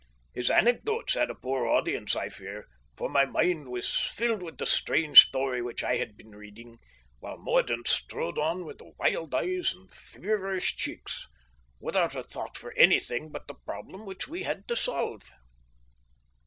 His anecdotes had a poor audience, I fear, for my mind was filled with the strange story which I had been reading, while Mordaunt strode on with wild eyes and feverish cheeks, without a thought for anything but the problem which we had to solve.